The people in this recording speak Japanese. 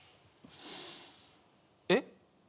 えっ？